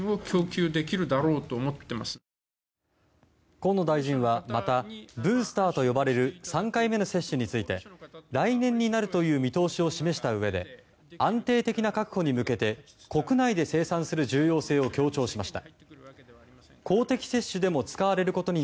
河野大臣は、またブースターと呼ばれる３回目の接種について来年になるという見通しを示したうえで安定的な確保に向けて国内で生産する重要性を強調しました。